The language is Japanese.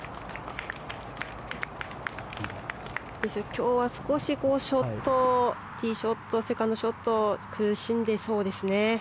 今日は少しショットティーショットセカンドショット苦しんでいそうですね。